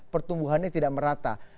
pertumbuhannya tidak merata